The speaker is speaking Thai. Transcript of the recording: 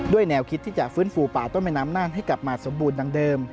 แนวคิดที่จะฟื้นฟูป่าต้นแม่น้ำน่านให้กลับมาสมบูรณดังเดิม